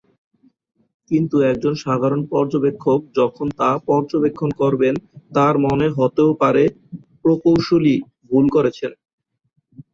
কিন্তু একজন সাধারণ পর্যবেক্ষক যখন তা পর্যবেক্ষণ করবেন, তার মনে হতেও পারে প্রকৌশলী ভুল করেছেন।